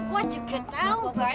wah juga tau mbak